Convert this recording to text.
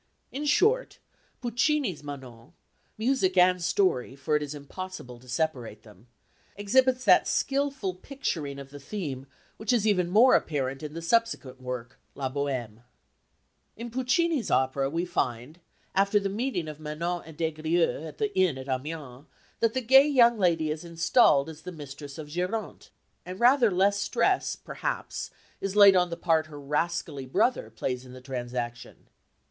In short, Puccini's Manon music and story, for it is impossible to separate them exhibits that skilful picturing of the theme which is even more apparent in the subsequent work, La Bohème. In Puccini's opera we find after the meeting of Manon and Des Grieux at the inn at Amiens that the gay young lady is installed as the mistress of Geronte, and rather less stress, perhaps, is laid on the part her rascally brother plays in the transaction.